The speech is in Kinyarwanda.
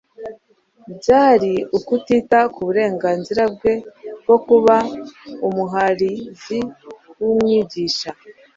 byari ukutita ku burengarizira bwe bwo kuba Umuhariuzi n'Umwigisha;